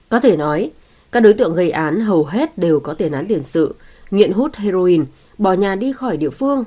có thể nói các đối tượng gây án hầu hết đều có tiền án tiền sự nghiện hút heroin bỏ nhà đi khỏi địa phương